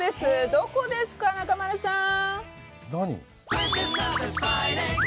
どこですか、中丸さん！